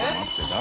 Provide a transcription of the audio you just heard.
誰？